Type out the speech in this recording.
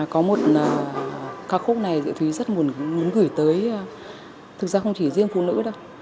có một ca khúc này thủy rất muốn gửi tới thực ra không chỉ riêng phụ nữ đâu